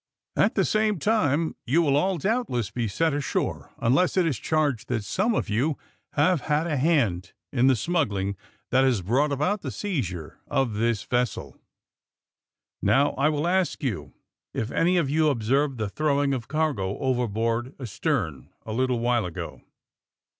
At the same time you will all doubtless be set ashore unless it is charged that some of you have had a hand in the smuggling that has brought about the seiz ure of this vessel. Now, I will ask you if any of you observed the throwing of cargo over board astern a little while ago?"